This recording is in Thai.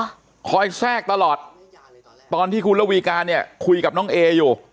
คอยแทรกตลอดตอนที่คุณระวีการเนี่ยคุยกับน้องเออยู่